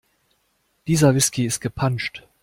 Dieser Whisky ist gepanscht.